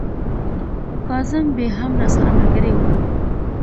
کاظم بې هم راسره ملګري ول.